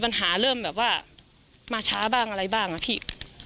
ปัญหาเริ่มแบบว่ามาช้าบ้างอะไรบ้างอะพี่